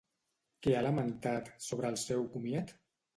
Què ha lamentat sobre el seu comiat?